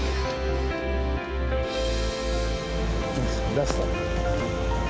ラスト。